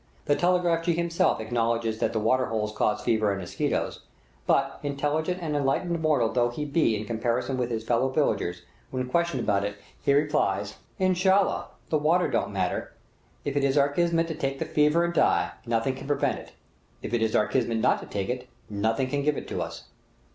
The telegraph jee himself acknowledges that the water holes cause fever and mosquitoes, but, intelligent and enlightened mortal though he be in comparison with his fellow villagers, when questioned about it, he replies: "Inshalla! the water don't matter; if it is our kismet to take the fever and die, nothing can prevent it; if it is our kismet not to take it, nothing can give it to us."